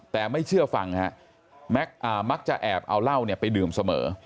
แต่ไม่เชื่อฟังฮะมักจะแอบเอาเหล้าไปดื่มเสมอ